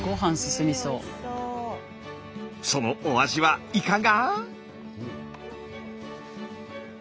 そのお味はいかが？